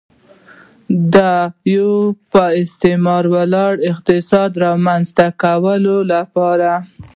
د یوه پر استثمار ولاړ اقتصاد رامنځته کولو لپاره.